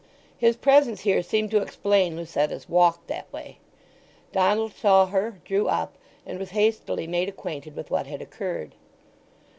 His presence here seemed to explain Lucetta's walk that way. Donald saw her, drew up, and was hastily made acquainted with what had occurred.